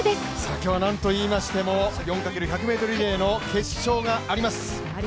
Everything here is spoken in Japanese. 今日はなんといいましても４×１００リレーの決勝がありますよ。